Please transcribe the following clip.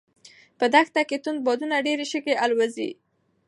په دښته کې توند بادونه ډېرې شګې الوځوي.